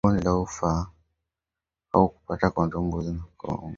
Ugonjwa wa bonde la ufa huwapata kondoo mbuzi na ngombe